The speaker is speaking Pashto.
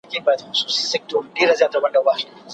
شخصي ملکيت د اسلام يو مهم اصل دی.